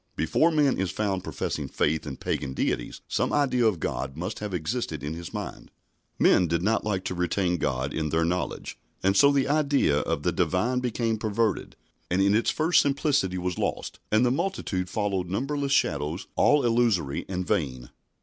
Before man is found professing faith in pagan deities some idea of God must have existed in his mind. Men did not like to retain God in their knowledge, and so the idea of the Divine became perverted, and in its first simplicity was lost, and the multitude followed numberless shadows all illusory and vain.